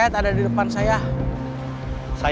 ya udah dia sudah selesai